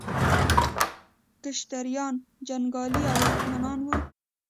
کشتریان جنګیالي او واکمنان وو.